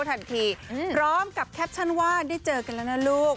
ได้เจอกันแล้วนะลูก